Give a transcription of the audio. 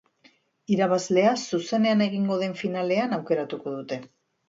Irabazlea, zuzenean egingo den finalean aukeratuko dute.